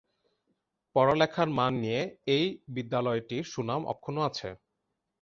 পড়ালেখার মান নিয়ে এই বিদ্যালয়টির সুনাম অক্ষুণ্ণ আছে।